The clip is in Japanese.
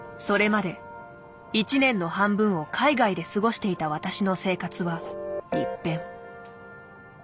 それまで一年の半分を海外で過ごしていた私の生活は一変。